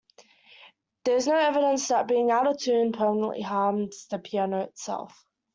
There is no evidence that being out-of-tune permanently harms the piano itself.